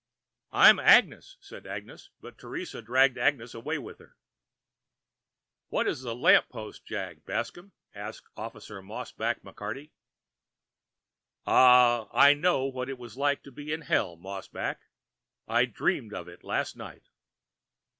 "I'm Agnes," said Agnes; but Teresa dragged Agnes away with her. "What is the lamp post jag, Bascomb?" asked Officer Mossback McCarty. "Ah I know what it is like to be in hell, Mossback. I dreamed of it last night."